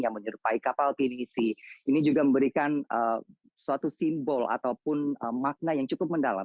yang menyerupai kapal pinisi ini juga memberikan suatu simbol ataupun makna yang cukup mendalam